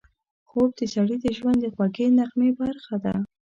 خوب د سړي د ژوند د خوږې نغمې برخه ده